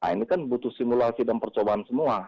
ini kan butuh simulasi dan percobaan semua